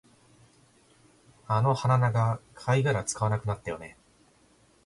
あの鼻長、貝殻使わなくなったよね